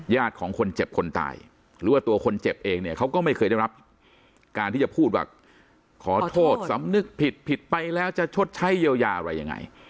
ของคนเจ็บคนตายหรือว่าตัวคนเจ็บเองเนี่ยเขาก็ไม่เคยได้รับการที่จะพูดว่าขอโทษสำนึกผิดผิดไปแล้วจะชดใช้เยียวยาอะไรยังไง